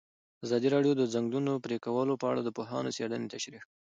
ازادي راډیو د د ځنګلونو پرېکول په اړه د پوهانو څېړنې تشریح کړې.